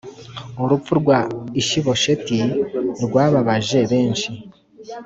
Urupfu rwa Ishibosheti rwababaje beshi